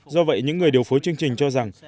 do vậy những người điều phối chương trình cho rằng